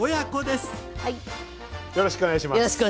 よろしくお願いします。